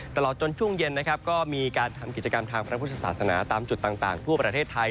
ตลอดจนช่วงเย็นนะครับก็มีการทำกิจกรรมทางพระพุทธศาสนาตามจุดต่างทั่วประเทศไทย